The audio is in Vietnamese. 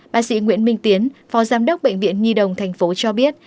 bác sĩ nguyễn minh tiến phó giám đốc bệnh viện nhi đồng thành phố cho biết